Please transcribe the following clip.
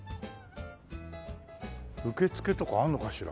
受付とかあるのかしら？